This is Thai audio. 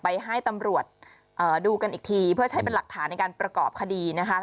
ให้ตำรวจดูกันอีกทีเพื่อใช้เป็นหลักฐานในการประกอบคดีนะคะ